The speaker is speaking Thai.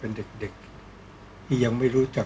ก็ต้องทำอย่างที่บอกว่าช่องคุณวิชากำลังทำอยู่นั่นนะครับ